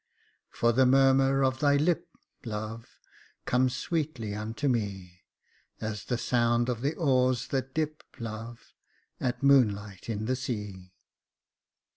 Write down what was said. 84 Jacob Faithful " For the murmur of thy lip, love, Comes sweetly unto me, As the sound of oars that dip, love, At moonlight in the sea."